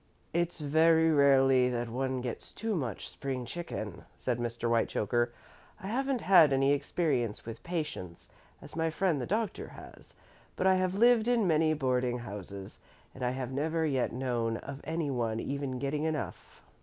"It's very rarely that one gets too much spring chicken," said Mr. Whitechoker. "I haven't had any experience with patients, as my friend the Doctor has; but I have lived in many boarding houses, and I have never yet known of any one even getting enough."